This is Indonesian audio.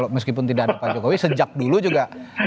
meskipun tidak ada pak jokowi sejak dulu juga